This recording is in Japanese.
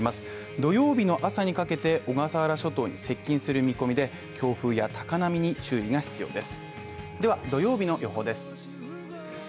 土曜日の朝にかけて小笠原諸島に接近する見込みで、強風や高波に注意が必要です。